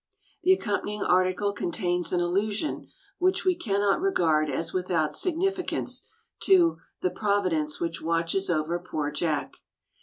The accompanying article contains an allusion, which we cannot regard as without significance, to " the Providence which watches over poor Jack."